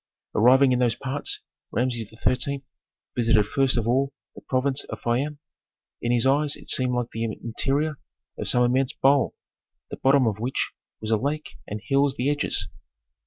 Arriving in those parts Rameses XIII. visited first of all the province of Fayum. In his eyes it seemed like the interior of some immense bowl, the bottom of which was a lake and hills the edges.